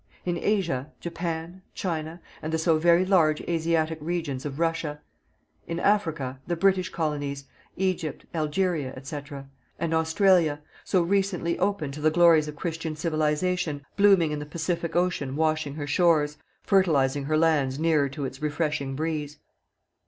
in Asia, Japan, China, and the so very large Asiatic regions of Russia; in Africa, the British colonies, Egypt, Algeria, &c. and Australia, so recently opened to the glories of Christian Civilization, blooming in the Pacific ocean washing her shores, fertilizing her lands nearer to its refreshing breeze.